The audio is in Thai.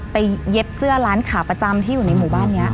เย็บเสื้อร้านขาประจำที่อยู่ในหมู่บ้านนี้